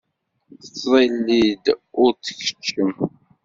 Tettḍilli-d ur d-tkeččem.